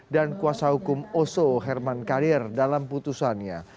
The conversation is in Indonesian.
dan kuasa hukum oso herman kadir dalam putusannya